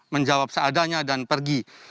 menjawab seadanya dan pergi